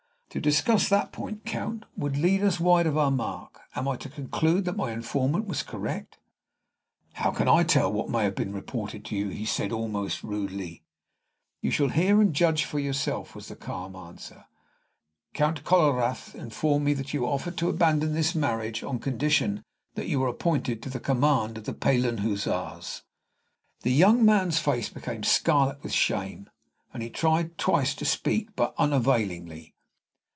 "To discuss that point, Count, would lead us wide of our mark. Am I to conclude that my informant was correct?" "How can I tell what may have been reported to you?" said he, almost rudely. "You shall hear and judge for yourself," was the calm answer. "Count Kollorath informed me that you offered to abandon this marriage on condition that you were appointed to the command of the Pahlen Hussars." The young man's face became scarlet with shame, and he tried twice to speak, but unavailingly.